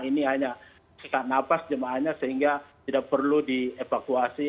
ini hanya sesak nafas jemaahnya sehingga tidak perlu dievakuasi